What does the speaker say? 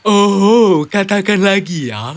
oh katakan lagi ya